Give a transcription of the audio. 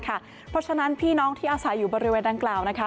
เพราะฉะนั้นพี่น้องที่อาศัยอยู่บริเวณดังกล่าวนะคะ